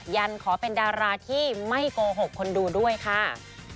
ันขอเป็นดาราที่ไม่โกหกคนดูด้วยค่ะ